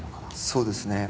そうですね。